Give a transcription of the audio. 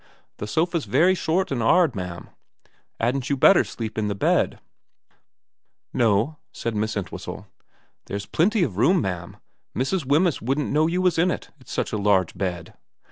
* The sofa's very short and 'aid, ma'am. 'Adn't you better sleep in the bed ?'* No,' said Miss Entwhistle. ' There's plenty of room, ma'am. Mrs. Wemyss wouldn't know you was in it, it's such a large bed.'